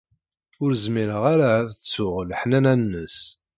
Ur zmireɣ ara ad ttuɣ leḥnana-nnes.